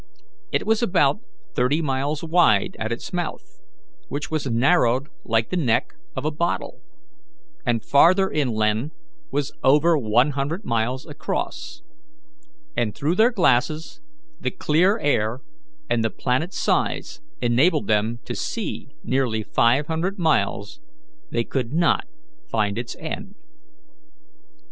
It was about thirty miles wide at its mouth, which was narrowed like the neck of a bottle, and farther inland was over one hundred miles across, and though their glasses, the clear air, and the planet's size enabled them to see nearly five hundred miles, they could not find its end.